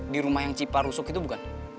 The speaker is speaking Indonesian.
di rumah yang cipa rusuk itu bukan